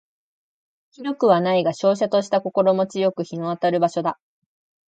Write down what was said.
広くはないが瀟洒とした心持ち好く日の当たる所だ